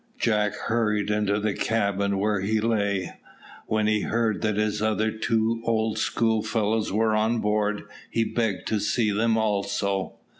Jack hurried into the cabin where he lay; when he heard that his other two old schoolfellows were on board, he begged to see them also.